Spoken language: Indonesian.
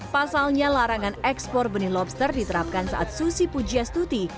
pasalnya larangan ekspor benih lobster diterapkan saat susi pujiastuti